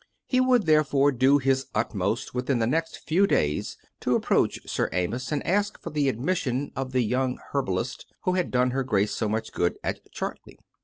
He would, therefore, do his utmost within the next few days to approach Sir Amyas and ask for the admission of the young herbalist who had done her Grace so much good at Cbartley.